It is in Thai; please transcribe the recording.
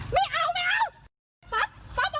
อย่าทำ